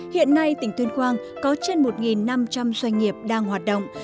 hiện nay tỉnh tuyên quang có trên một năm trăm linh doanh nghiệp đang hoạt động